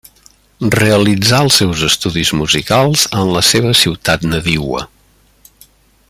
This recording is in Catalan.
Realitzà els seus estudis musicals en la seva ciutat nadiua.